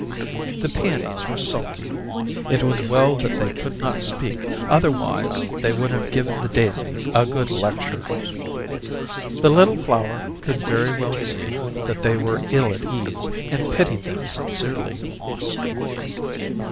The peonies were sulky; it was well that they could not speak, otherwise they would have given the daisy a good lecture. The little flower could very well see that they were ill at ease, and pitied them sincerely.